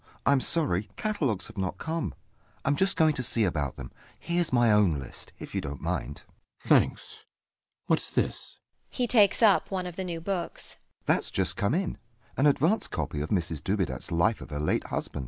I'm sorry catalogues have not come: I'm just going to see about them. Heres my own list, if you dont mind. RIDGEON. Thanks. Whats this? [He takes up one the new books]. THE SECRETARY. Thats just come in. An advance copy of Mrs Dubedat's Life of her late husband.